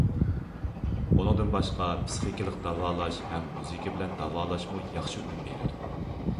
ئۇنىڭدىن باشقا، پىسخىكىلىق داۋالاش ھەم مۇزىكا بىلەن داۋالاشمۇ ياخشى ئۈنۈم بېرىدۇ.